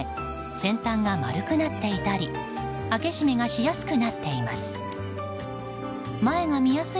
先端が丸くなっていたり開け閉めがしやすくなっています。